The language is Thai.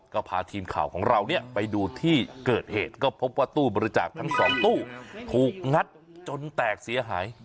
ก็พาทีมข่าวของเราเนี่ยไปดูที่เกิดเหตุก็พบว่าตู้บริจาคทั้งสองตู้ถูกงัดจนแตกเสียหาย